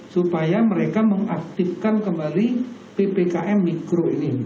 supaya mereka mengaktifkan kembali ppkm mikro ini